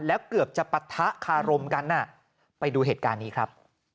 แล้วเกือบจะปะทะคารมกันไปดูเหตุการณ์นี้ครับ